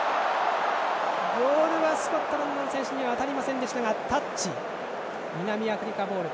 ボールはスコットランドの選手に渡りませんでしたが、タッチ南アフリカボール。